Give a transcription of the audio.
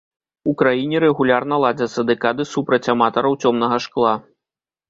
У краіне рэгулярна ладзяцца дэкады супраць аматараў цёмнага шкла.